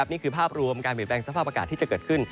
นี่คือภาพรวมการเปลี่ยนแปลงสภาพอากาศที่จะเกิดขึ้น